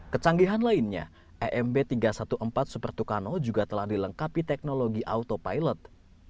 kecanggihan lainnya emb tiga ratus empat belas super tucano juga telah dilengkapi teknologi autopilot